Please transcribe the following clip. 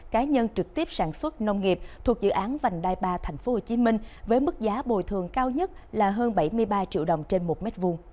cá nhân trực tiếp sản xuất nông nghiệp thuộc dự án vành đai ba tp hcm với mức giá bồi thường cao nhất là hơn bảy mươi ba triệu đồng trên một mét vuông